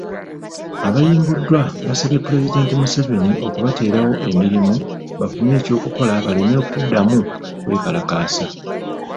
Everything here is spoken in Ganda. Abayimbuddwa basabye pulezidenti Museveni okubateerawo emirimu bafune eky'okukola baleme kuddamu kwekalakaasa.